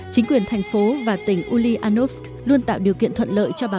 chính quyền thành phố và tỉnh ulyanovsk luôn tạo điều kiện thuận lợi cho bản thân